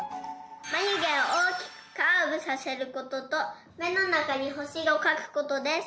まゆげをおおきくカーブさせることとめのなかにほしをかくことです。